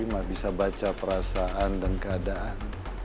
mak bisa baca perasaan dan keadaan